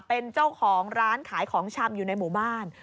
เป็นเจ้าของร้านขายของชำอยู่ในหมู่บ้าน